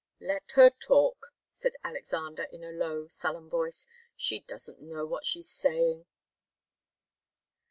"Let her talk," said Alexander, in a low, sullen voice. "She doesn't know what she's saying."